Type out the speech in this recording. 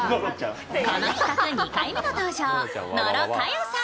この企画２回目の登場・野呂佳代さん。